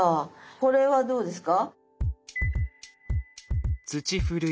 これはどうですか？